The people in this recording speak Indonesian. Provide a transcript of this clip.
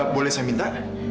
boleh saya minta